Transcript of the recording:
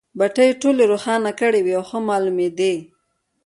بټۍ یې ټولې روښانه کړې وې او ښه مالومېدې.